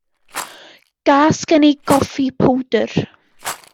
Gas gen i goffi powdr.